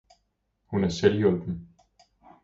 Hun er selvhjulpen.